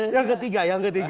yang ketiga yang ketiga